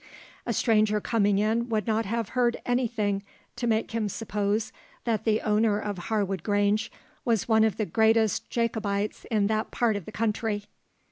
A stranger coming in would not have heard any thing to make him suppose that the owner of Harwood Grange was one of the greatest Jacobites in that part of the country.